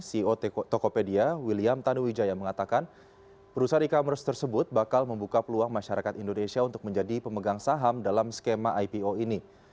ceo tokopedia william tanuwijaya mengatakan perusahaan e commerce tersebut bakal membuka peluang masyarakat indonesia untuk menjadi pemegang saham dalam skema ipo ini